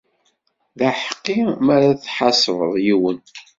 D aḥeqqi mi ara tḥasbeḍ yiwen.